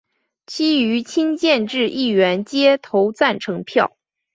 其余亲建制议员皆投赞成票。